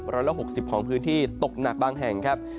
ร้อยละ๖๐ของพื้นที่ตกหนักบางแห่งครับ